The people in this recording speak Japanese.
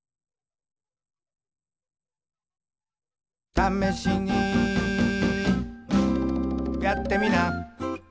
「ためしにやってみな」